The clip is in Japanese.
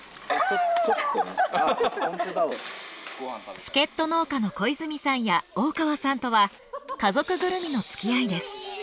助っ人農家の小泉さんや大川さんとは家族ぐるみの付き合いです。